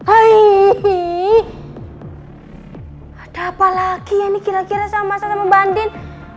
ada apa lagi ya ini kira kira sama mas al sama mbak andin